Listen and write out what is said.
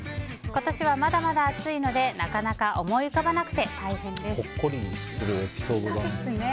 今年はまだまだ暑いのでなかなか思い浮かばなくてほっこりするエピソードだね。